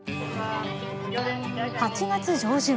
８月上旬